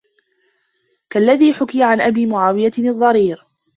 كَاَلَّذِي حُكِيَ عَنْ أَبِي مُعَاوِيَةَ الضَّرِيرِ